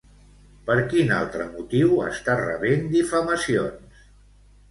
Per quin altre motiu està rebent difamacions?